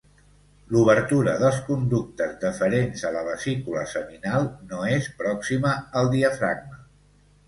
L'obertura dels conductes deferents a la vesícula seminal no és pròxima al diafragma.